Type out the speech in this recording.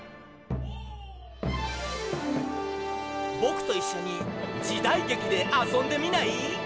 ぼくといっしょにじだいげきであそんでみない？